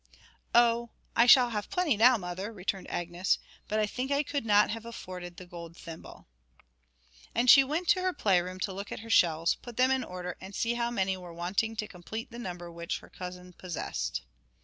'Oh, I shall have plenty now, mother,' returned Agnes; 'but I think I could not have afforded the gold thimble.' And she went to her play room to look at her shells, put them in order, and see how many were wanting to complete the number which her cousin possessed.